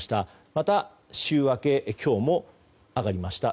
また週明け今日も上がりました。